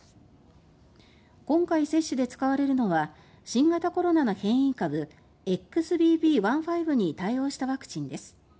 今回、接種で使われるのは新型コロナの変異株「ＸＢＢ．１．５」に対応したワクチンです。